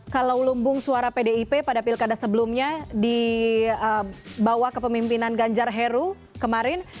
kalau lumbung suara pdip pada pilkada sebelumnya dibawa ke pemimpinan ganjar heru kemarin